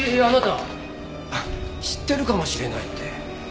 あなた知ってるかもしれないって。